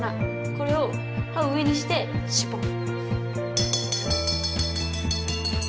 これを刃を上にしてシュポン！